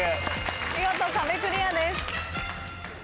見事壁クリアです。